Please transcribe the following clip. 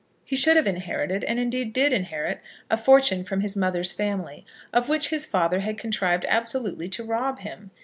He should have inherited, and, indeed, did inherit, a fortune from his mother's family, of which his father had contrived absolutely to rob him.